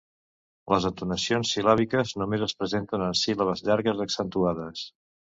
Les entonacions sil·làbiques només es presenten en síl·labes llargues accentuades.